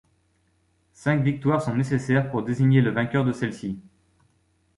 Cinq victoires sont nécessaires pour désigner le vainqueur de celles-ci.